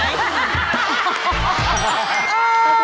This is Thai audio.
ใช่